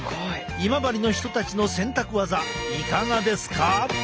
今治の人たちの洗濯技いかがですか？